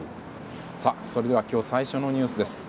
それでは今日最初のニュースです。